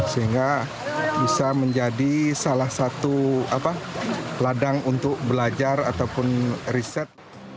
sehingga bisa menjadi salah satu ladang untuk belajar ataupun riset